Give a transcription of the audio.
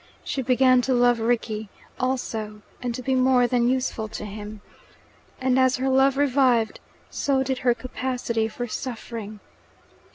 She began to love Rickie also, and to be more than useful to him. And as her love revived, so did her capacity for suffering.